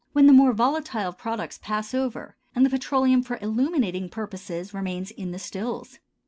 when the more volatile products pass over, and the petroleum for illuminating purposes remains in the stills.